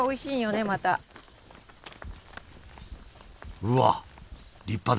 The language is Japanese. うわ立派だ！